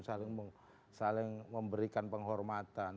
saling memberikan penghormatan